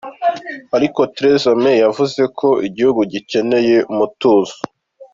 Ariko theresa May yavuze ko igihugu gikeneye umutuzo.